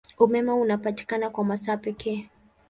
Umeme unapatikana kwa masaa pekee.